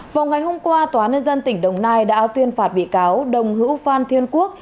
vào ngày hôm qua tòa nân tỉnh đồng nai đã tuyên phạt bị cáo đồng hữu phan thiên quốc